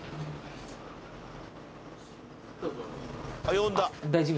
呼んだ。